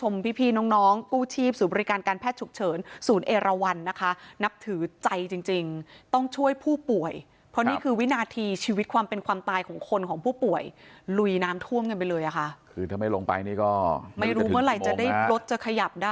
มีอาการเปลี่ยนแปลงที่ซึมลงมาก